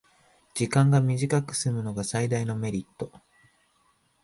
時間が短くすむのが最大のメリット